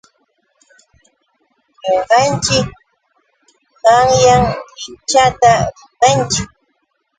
Ñuqanchik qanyan linchata rirqanchik.